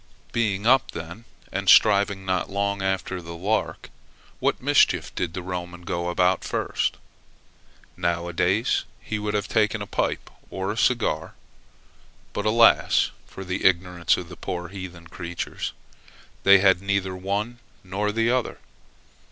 Being up then, and stirring not long after the lark, what mischief did the Roman go about first? Now a days, he would have taken a pipe or a cigar. But, alas for the ignorance of the poor heathen creatures! they had neither one nor the other.